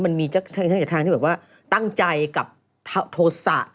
มันมีเช่นกันทางแบบว่าตั้งใจกับโทษะ